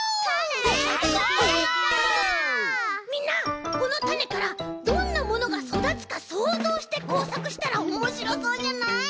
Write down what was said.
みんなこのたねからどんなものがそだつかそうぞうしてこうさくしたらおもしろそうじゃない？